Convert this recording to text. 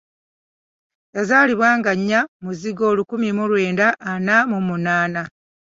Yazaalibwa nga nnya Muzigo lukumi mu lwenda ana mu munnaana.